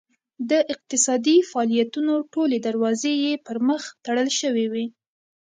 د اقتصادي فعالیتونو ټولې دروازې یې پرمخ تړل شوې وې.